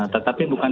tetapi bukan dikira